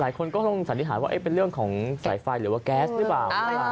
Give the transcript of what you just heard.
หลายคนก็ต้องสันนิษฐานว่าเป็นเรื่องของสายไฟหรือว่าแก๊สหรือเปล่า